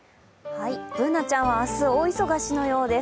Ｂｏｏｎａちゃんは明日、大忙しのようです。